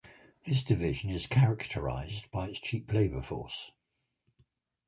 This division is characterized by its cheap labour force.